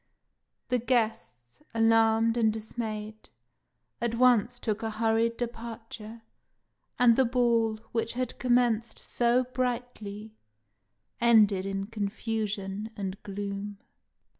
The guests, alarmed and dismayed, at once look a hurried departure, and the ball, which had commenced so brightly, ended in confusion and gloom.